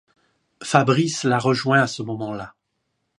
Fabrice la rejoint à ce moment-là.